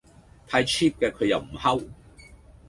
太 Cheap 嘅佢又唔吼